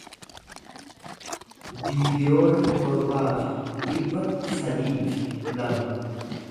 biiliyoona torbaa fi dhibba sadii fi lama